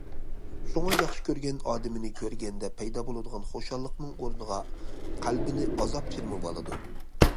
شۇڭا ياخشى كۆرگەن ئادىمىنى كۆرگەندە پەيدا بولىدىغان خۇشاللىقنىڭ ئورنىغا قەلبىنى ئازاب چىرمىۋالىدۇ.